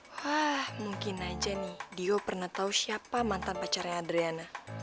wah mungkin aja nih dio pernah tahu siapa mantan pacarnya adriana